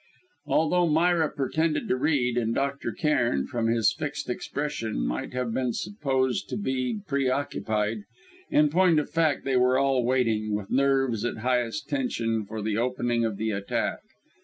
Although Myra pretended to read, and Dr. Cairn, from his fixed expression, might have been supposed to be pre occupied, in point of fact they were all waiting, with nerves at highest tension, for the opening of the attack.